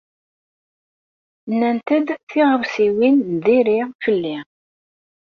Nnant-d tiɣawsiwin n diri fell-i.